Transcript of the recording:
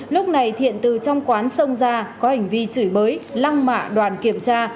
lúc này thiện từ trong quán xông ra có hành vi chửi mới lăng mạ đoàn kiểm soát